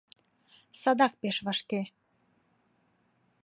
— Садак пеш вашке.